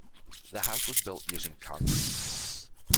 The house was built using concrete.